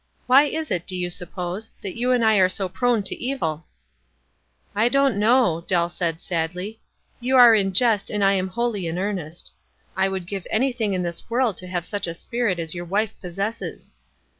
Why is it, do you suppose, that von and I arc so prone to evil? " "I don't know," Dell said, sadly. "You are in jest and I am wholly in earliest. I would give anything in this world to have such a spirit as your wife possesses."